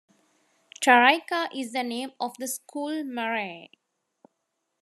Taraika is the name of the school Marae.